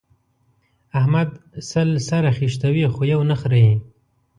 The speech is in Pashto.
احمد سل سره خيشتوي؛ خو يو نه خرېي.